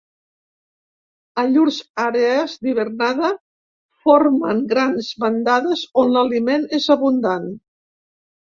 A llurs àrees d'hivernada formen grans bandades on l'aliment és abundant.